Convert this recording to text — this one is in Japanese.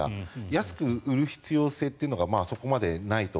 安く売る必要性というのがそこまでないと。